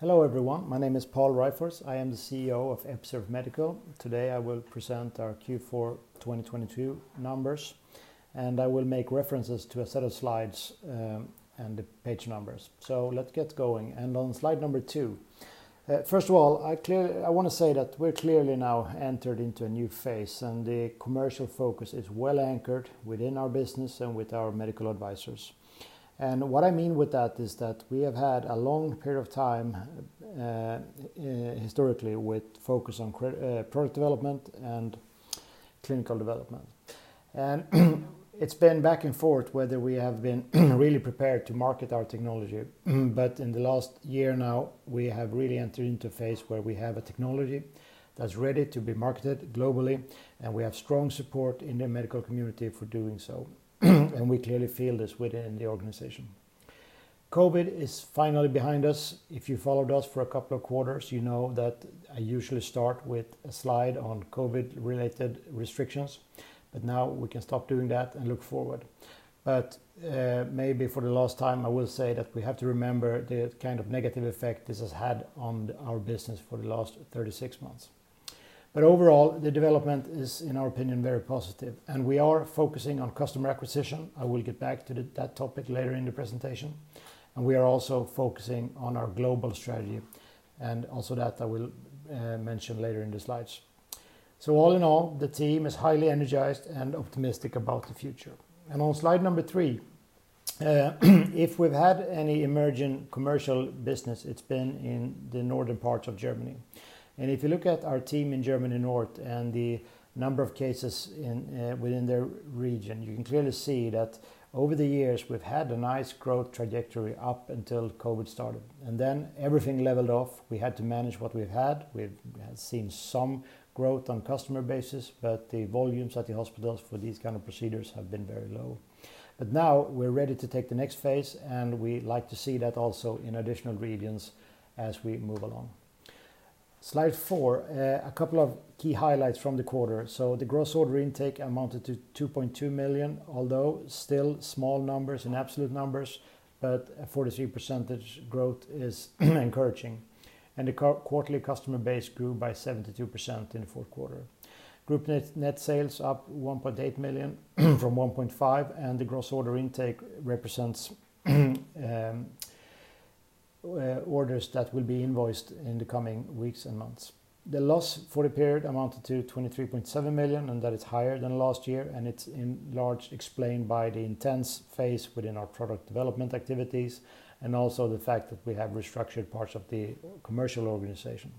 Hello everyone. My name is Pål Ryfors. I am the CEO of Episurf Medical. Today, I will present our Q4 2022 numbers, and I will make references to a set of slides, and the page numbers. Let's get going. On slide 2. First of all, I wanna say that we're clearly now entered into a new phase, and the commercial focus is well anchored within our business and with our medical advisors. What I mean with that is that we have had a long period of time, historically with focus on product development and clinical development. It's been back and forth whether we have been really prepared to market our technology. In the last year now, we have really entered into a phase where we have a technology that's ready to be marketed globally, and we have strong support in the medical community for doing so. We clearly feel this within the organization. COVID is finally behind us. If you followed us for a couple of quarters, you know that I usually start with a slide on COVID-related restrictions, but now we can stop doing that and look forward. Maybe for the last time, I will say that we have to remember the kind of negative effect this has had on our business for the last 36 months. Overall, the development is, in our opinion, very positive, and we are focusing on customer acquisition. I will get back to that topic later in the presentation. We are also focusing on our global strategy and also that I will mention later in the slides. All in all, the team is highly energized and optimistic about the future. On slide number 3, if we've had any emerging commercial business, it's been in the northern parts of Germany. If you look at our team in Germany North and the number of cases within their region, you can clearly see that over the years we've had a nice growth trajectory up until COVID started, then everything leveled off. We had to manage what we had. We've seen some growth on customer basis, but the volumes at the hospitals for these kind of procedures have been very low. Now we're ready to take the next phase, and we like to see that also in additional regions as we move along. Slide 4 a couple of key highlights from the quarter. The gross order intake amounted to 2.2 million, although still small numbers in absolute numbers, but a 43% growth is encouraging. The quarterly customer base grew by 72% in the fourth quarter. Group net sales up 1.8 million from 1.5 million, and the gross order intake represents orders that will be invoiced in the coming weeks and months. The loss for the period amounted to 23.7 million, and that is higher than last year, and it's in large explained by the intense phase within our product development activities and also the fact that we have restructured parts of the commercial organization.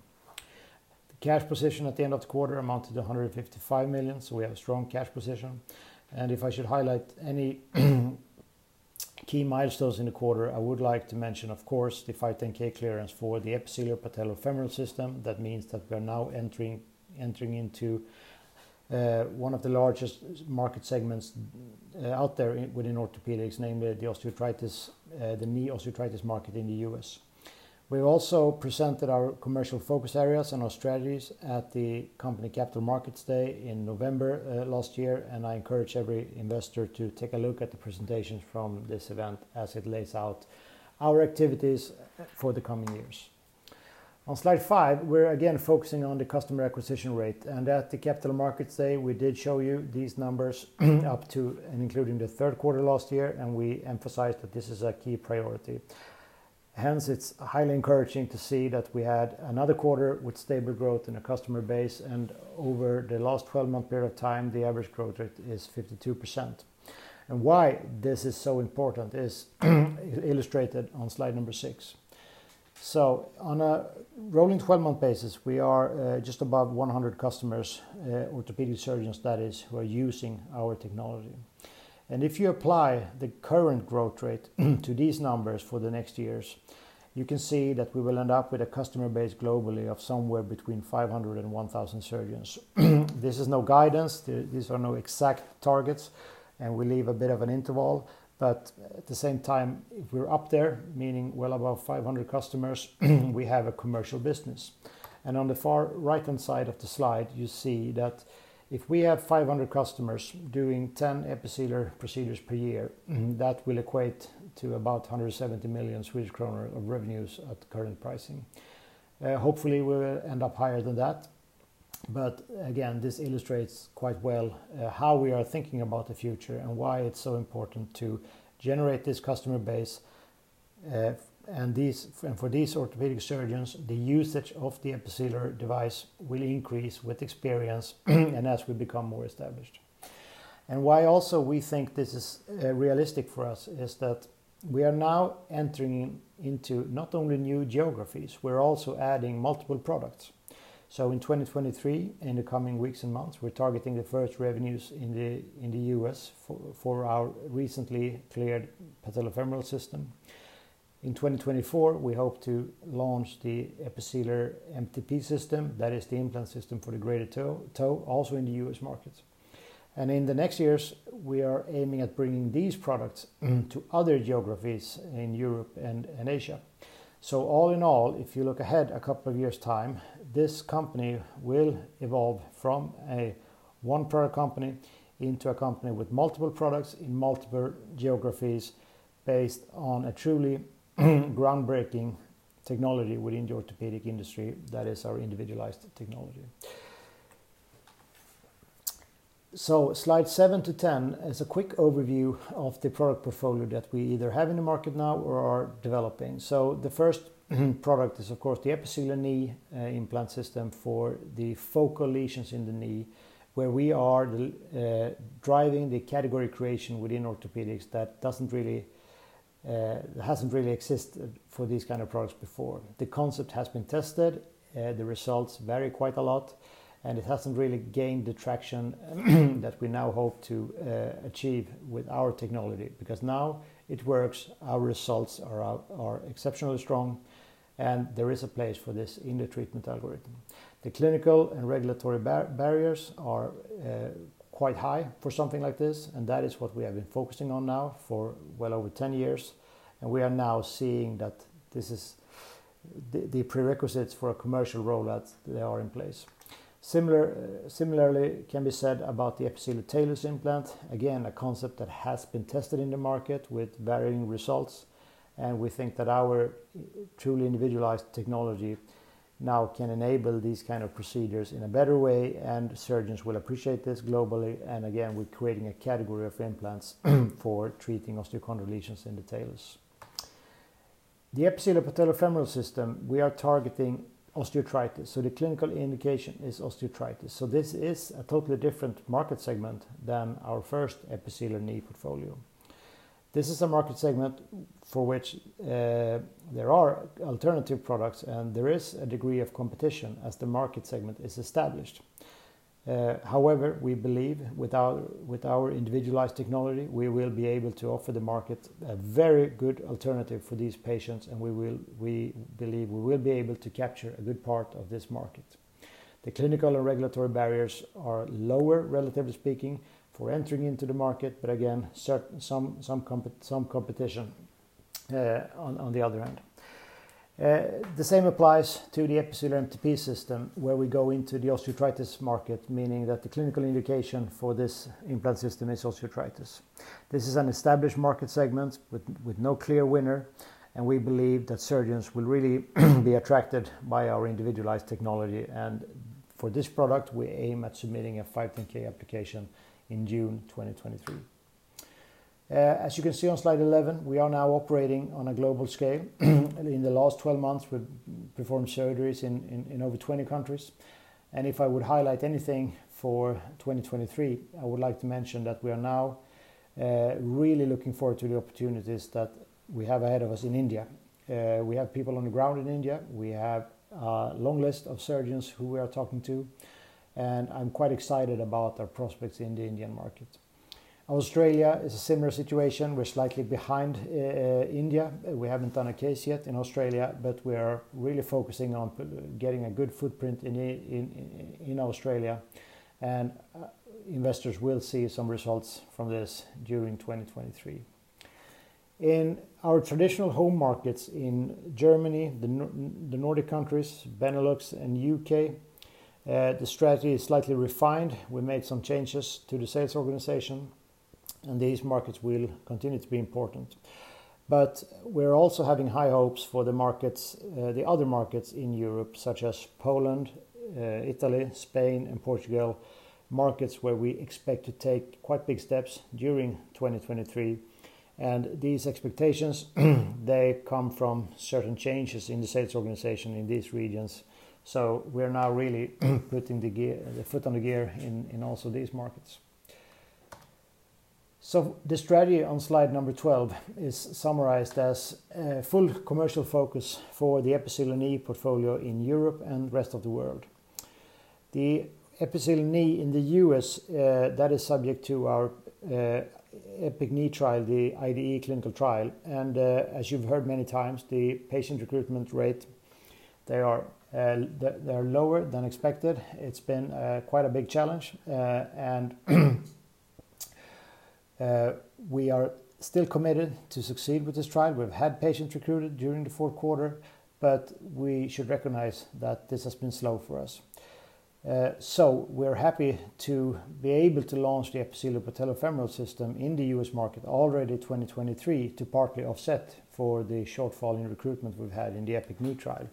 The cash position at the end of the quarter amounted to 155 million, we have a strong cash position. If I should highlight any key milestones in the quarter, I would like to mention of course, the 510(k) clearance for the Episealer Patellofemoral System. That means that we are now entering into one of the largest market segments out there within orthopedics, namely the osteoarthritis, the knee osteoarthritis market in the U.S. We also presented our commercial focus areas and our strategies at the company Capital Markets Day in November last year, and I encourage every investor to take a look at the presentations from this event as it lays out our activities for the coming years. On slide 5, we're again focusing on the customer acquisition rate. At the Capital Markets Day, we did show you these numbers up to and including the third quarter last year, and we emphasized that this is a key priority. Hence, it's highly encouraging to see that we had another quarter with stable growth in a customer base. Over the last 12-month period of time, the average growth rate is 52%. Why this is so important is illustrated on slide number six. On a rolling 12-month basis, we are just above 100 customers, orthopedic surgeons that is who are using our technology. If you apply the current growth rate to these numbers for the next years, you can see that we will end up with a customer base globally of somewhere between 500 and 1,000 surgeons. This is no guidance. These are no exact targets, and we leave a bit of an interval. At the same time, if we're up there, meaning well above 500 customers, we have a commercial business. On the far right-hand side of the slide, you see that if we have 500 customers doing 10 Episealer procedures per year, that will equate to about 170 million Swedish kronor of revenues at current pricing. Hopefully we'll end up higher than that. Again, this illustrates quite well how we are thinking about the future and why it's so important to generate this customer base. And for these orthopedic surgeons, the usage of the Episealer device will increase with experience and as we become more established. Why also we think this is realistic for us is that we are now entering into not only new geographies, we're also adding multiple products. In 2023, in the coming weeks and months, we're targeting the first revenues in the U.S. for our recently cleared patellofemoral system. In 2024, we hope to launch the Episealer MTP system, that is the implant system for the greater toe, also in the U.S. market. In the next years, we are aiming at bringing these products to other geographies in Europe and in Asia. All in all, if you look ahead a couple of years' time, this company will evolve from a one product company into a company with multiple products in multiple geographies based on a truly groundbreaking technology within the orthopedic industry, that is our individualized technology. Slide 7 to 10 is a quick overview of the product portfolio that we either have in the market now or are developing. The first product is, of course, the Episealer Knee Implant System for the focal lesions in the knee, where we are driving the category creation within orthopedics that doesn't really, hasn't really existed for these kind of products before. The concept has been tested. The results vary quite a lot, and it hasn't really gained the traction that we now hope to achieve with our technology. Now it works, our results are exceptionally strong, and there is a place for this in the treatment algorithm. The clinical and regulatory barriers are quite high for something like this, and that is what we have been focusing on now for well over 10 years, and we are now seeing that this is the prerequisites for a commercial rollout, they are in place. Similarly, can be said about the Episealer Talus implant. A concept that has been tested in the market with varying results. We think that our truly individualized technology now can enable these kind of procedures in a better way. Surgeons will appreciate this globally. We're creating a category of implants for treating osteochondral lesions in the talus. The Episealer Patellofemoral system, we are targeting osteoarthritis. The clinical indication is osteoarthritis. This is a totally different market segment than our first Episealer Knee portfolio. This is a market segment for which there are alternative products. There is a degree of competition as the market segment is established. However, we believe with our individualized technology, we will be able to offer the market a very good alternative for these patients. We will, webelieve we will be able to capture a good part of this market. The clinical and regulatory barriers are lower, relatively speaking, for entering into the market, but again, some competition on the other end. The same applies to the Episealer MTP system, where we go into the osteoarthritis market, meaning that the clinical indication for this implant system is osteoarthritis. This is an established market segment with no clear winner, and we believe that surgeons will really be attracted by our individualized technology. For this product, we aim at submitting a 510(k) application in June 2023. As you can see on slide 11, we are now operating on a global scale. In the last 12 months, we've performed surgeries in over 20 countries. If I would highlight anything for 2023, I would like to mention that we are now really looking forward to the opportunities that we have ahead of us in India. We have people on the ground in India. We have a long list of surgeons who we are talking to, and I'm quite excited about our prospects in the Indian market. Australia is a similar situation. We're slightly behind India. We haven't done a case yet in Australia, but we are really focusing on getting a good footprint in in Australia, and investors will see some results from this during 2023. In our traditional home markets in Germany, the Nordic countries, Benelux and U.K., the strategy is slightly refined. We made some changes to the sales organization, and these markets will continue to be important. We're also having high hopes for the markets, the other markets in Europe such as Poland, Italy, Spain, and Portugal, markets where we expect to take quite big steps during 2023. These expectations, they come from certain changes in the sales organization in these regions. We're now really putting the gear, the foot on the gear in also these markets. The strategy on slide number 12 is summarized as a full commercial focus for the Episealer Knee portfolio in Europe and the rest of the world. The Episealer Knee in the U.S., that is subject to our EPIC-Knee trial, the IDE clinical trial. As you've heard many times, the patient recruitment rate, they are lower than expected. It's been quite a big challenge. We are still committed to succeed with this trial. We've had patients recruited during the fourth quarter, but we should recognize that this has been slow for us. We're happy to be able to launch the Episealer Patellofemoral System in the U.S. market already in 2023 to partly offset for the shortfall in recruitment we've had in the EPIC-Knee trial.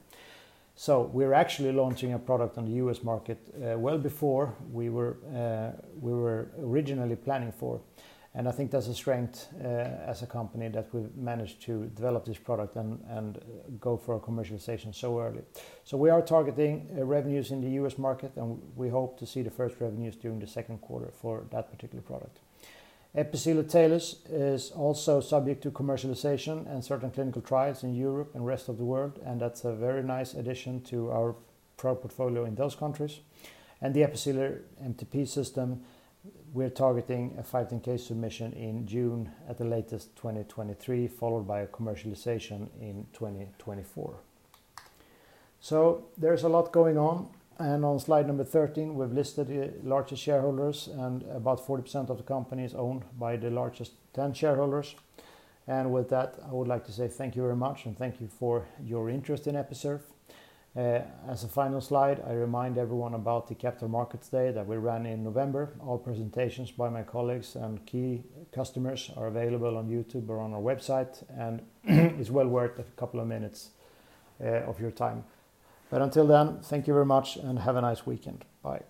We're actually launching a product on the U.S. market well before we were, we were originally planning for. I think that's a strength as a company that we've managed to develop this product and go for a commercialization so early. We are targeting revenues in the U.S. market, and we hope to see the first revenues during the second quarter for that particular product. Episealer Talus is also subject to commercialization and certain clinical trials in Europe and rest of the world, that's a very nice addition to our product portfolio in those countries. The Episealer MTP system, we're targeting a 510(k) submission in June at the latest 2023, followed by a commercialization in 2024. There's a lot going on. On slide number 13, we've listed the largest shareholders and about 40% of the company is owned by the largest 10 shareholders. With that, I would like to say thank you very much, and thank you for your interest in Episurf Medical. As a final slide, I remind everyone about the Capital Markets Day that we ran in November. All presentations by my colleagues and key customers are available on YouTube or on our website, and is well worth a couple of minutes of your time. Until then, thank you very much and have a nice weekend. Bye.